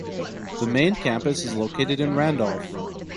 The main campus is located in Randolph.